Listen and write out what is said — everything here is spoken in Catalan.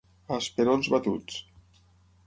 A esperons batuts.